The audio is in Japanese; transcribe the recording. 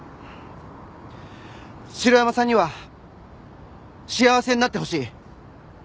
城山さんには幸せになってほしい。